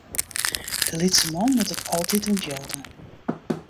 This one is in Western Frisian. De lytse man moat it altyd ûntjilde.